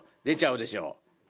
出ちゃうでしょ。